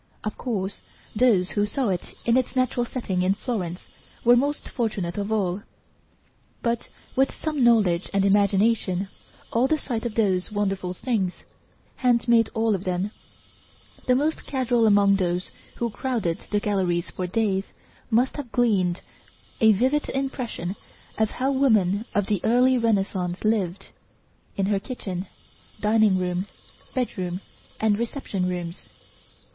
Of course those who saw it in its natural setting in Florence, were most fortunate of all. But with some knowledge and imagination, at the sight of those wonderful things, hand made all of them, the most casual among those who crowded the galleries for days, must have gleaned a vivid impression of how woman of the Early Renaissance lived, in her kitchen, dining room, bedroom and reception rooms.